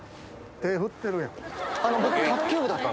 手振ってるやん。